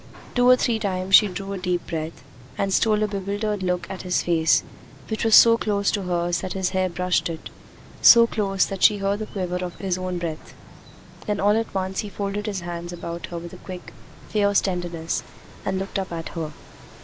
Two or three times she drew a deep breath, and stole a bewildered look at his face, which was so close to hers that his hair brushed it so close that she heard the quiver of his own breath. Then all at once he folded his hands about hers with a quick, fierce tenderness, and looked up at her.